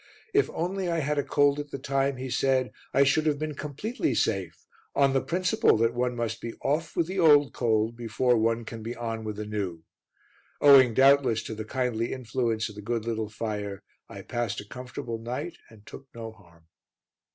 If only I had had a cold at the time, he said, I should have been completely safe on the principle that one must be off with the old cold before one can be on with the new. Owing, doubtless, to the kindly influence of the good little fire, I passed a comfortable night and took no harm.